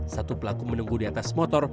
satu pelaku menunggu di atas motor